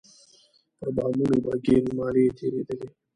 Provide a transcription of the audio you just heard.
پر بامونو به ګيل مالې تېرېدلې.